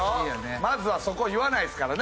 まずはそこ言わないですからね